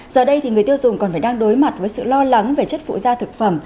giờ đây người tiêu dùng còn phải đang đối mặt với sự lo lắng về chất phụ da thực phẩm